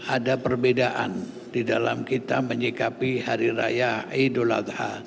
ada perbedaan di dalam kita menyikapi hari raya idul adha